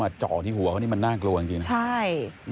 อย่างที่หัวก็นี่มันน่ากลัวจริงใช่